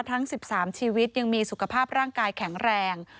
ทั้ง๑๓ชีวิตยังมีสุขภาพร่างกายแข็งแรง